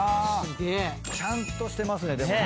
ちゃんとしてますねでもね。